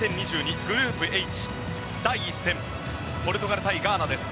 グループＨ、第１戦ポルトガル対ガーナです。